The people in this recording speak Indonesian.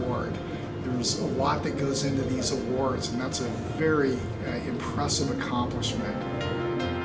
ada banyak yang akan diperlukan dan itu adalah pengajaran yang sangat menarik